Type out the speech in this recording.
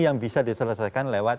yang bisa diselesaikan lewat